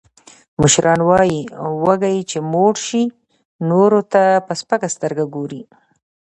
مشران وایي: وږی چې موړ شي، نورو ته په سپکه سترګه ګوري.